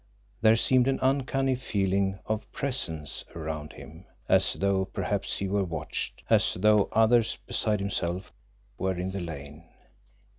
There seemed an uncanny feeling of PRESENCE around him, as though perhaps he were watched, as though others beside himself were in the lane.